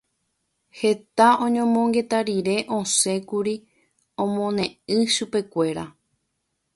Heta oñomongeta rire osẽkuri omoneĩ chupekuéra.